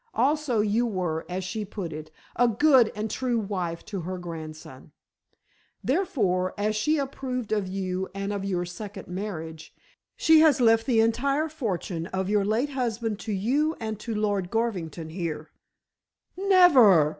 Also you were, as she put it, a good and true wife to her grandson. Therefore, as she approved of you and of your second marriage, she has left the entire fortune of your late husband to you and to Lord Garvington here." "Never!"